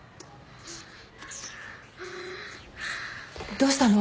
どうしたの？